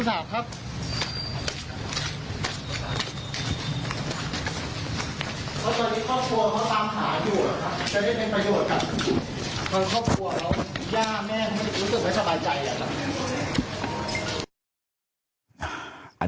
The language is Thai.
คุณสาวทราบไหมครับ